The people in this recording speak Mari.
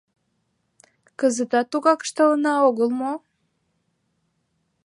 Кызытат тугак ыштылына огыл мо?